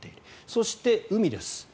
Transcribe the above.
そして、海です。